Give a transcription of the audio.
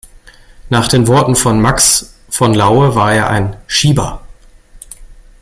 Nach den Worten von Max von Laue war er ein "Schieber".